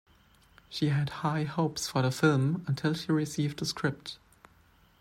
She had high hopes for the film, until she received the script.